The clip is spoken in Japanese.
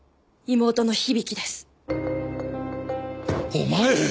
お前！